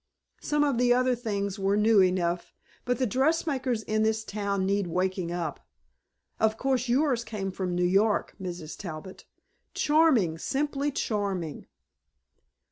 Some of the other things were new enough, but the dressmakers in this town need waking up. Of course yours came from New York, Mrs. Talbot. Charming, simply charming."